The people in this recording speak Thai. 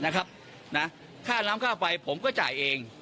ค่าน้ำค่าไฟผมก็จ่ายเอง